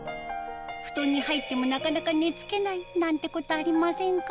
布団に入ってもなかなか寝付けないなんてことありませんか？